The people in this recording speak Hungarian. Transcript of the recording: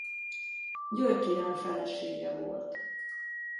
György király felesége volt.